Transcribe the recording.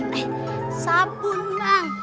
eh sabun bang